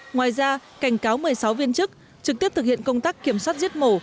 ngoài ra cảnh cáo một mươi sáu viên chức trực tiếp thực hiện công tác kiểm soát giết mổ